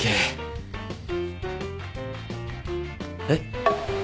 えっ？